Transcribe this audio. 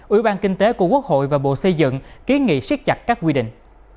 ủy ban kinh tế của quốc hội và bộ xây dựng ký nghị siết chặt các quy định